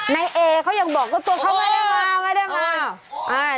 ในเอเขายังบอกว่าตัวเขาไม่ได้มา